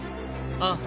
ああ。